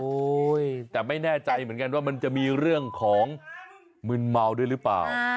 แต่ไม่แน่ใจเหมือนกันว่ามันจะมีเรื่องของมึนเมาด้วยหรือเปล่า